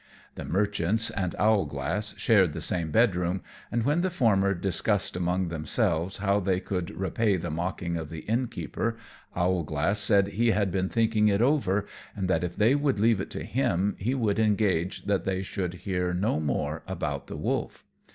The merchants and Owlglass shared the same bed room; and when the former discussed among themselves how they could repay the mocking of the Innkeeper, Owlglass said he had been thinking it over, and that if they would leave it to him he would engage that they should hear no more about the wolf.